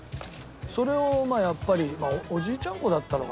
それをまあやっぱりおじいちゃんっ子だったのかな？